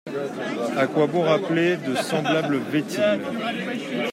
À quoi bon rappeler de semblables vétilles ?